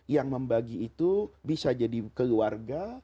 yang membagi itu bisa jadi keluarga